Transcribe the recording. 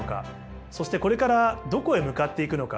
そしてこれからどこへ向かっていくのか。